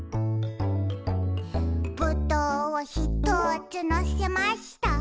「ぶどうをひとつのせました」